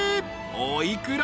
お幾ら？］